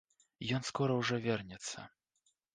Ён скора ўжо вернецца.